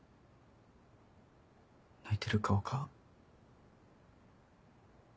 泣いてる顔か。